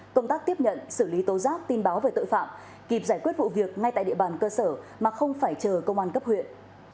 công tác tiếp nhận xử lý tố giác tin báo về tội phạm kịp giải quyết vụ việc ngay tại địa bàn cơ sở mà không phải chờ công an cấp huyện